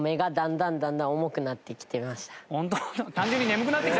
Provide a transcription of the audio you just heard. ホント？